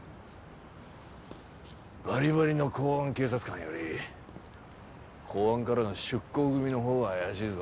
バリバリの公安警察官より公安からの出向組のほうが怪しいぞ。